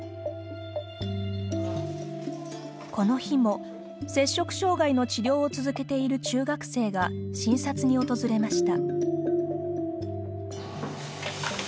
この日も摂食障害の治療を続けている中学生が診察に訪れました。